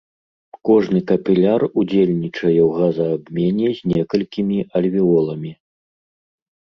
Кожны капіляр удзельнічае ў газаабмене з некалькімі альвеоламі.